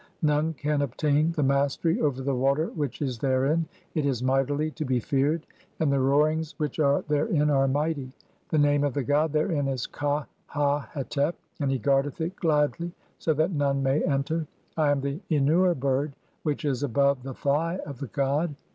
None "can obtain the mastery over the water which is therein. (3) It "is mightily to be feared, and the roarings which are therein "are mighty. The (4) name of the god therein is Qa ha hetep, "and he guardeth it gladly so that none may enter. I am the "Ennur bird which is (5) above the thigh of the god